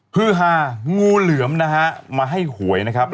ฮือฮางูเหลือมนะฮะมาให้หวยนะครับ